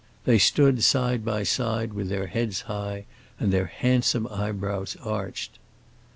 They stood side by side, with their heads high and their handsome eyebrows arched.